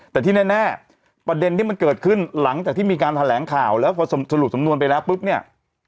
แต่ที่แน่ประเด็นที่มันเกิดขึ้นหลังจากที่มีการแถลงข่าวแล้วพอสรุปสำนวนไปแล้วปุ๊บเนี่ย